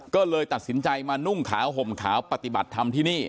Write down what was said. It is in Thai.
ก็เลยตัดสินใจมานุ่งขาวห่มขาวปฏิบัติธรรมที่นี่